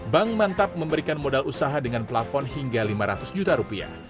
bank mantap memberikan modal usaha dengan plafon hingga lima ratus juta rupiah